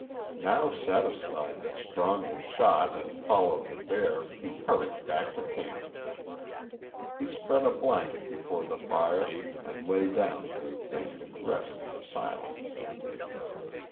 Now satisfied that Strong had shot and followed the bear, he hurried back to camp. He spread a blanket before the fire and laydown to think and rest in the silence.